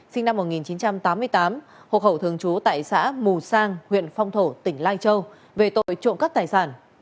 sinh năm một nghìn chín trăm tám mươi tám hộ khẩu thường trú tại xã mù sang huyện phong thổ tỉnh lai châu về tội trộm cắt tài sản